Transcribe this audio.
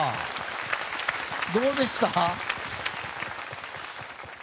どうでした？